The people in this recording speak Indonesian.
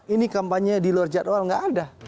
ini kampanye di luar jadwal nggak ada